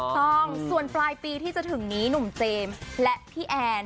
ถูกต้องส่วนปลายปีที่จะถึงนี้หนุ่มเจมส์และพี่แอน